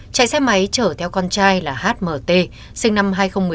chạy xe máy chở theo con trai là hmt sinh năm hai nghìn một mươi tám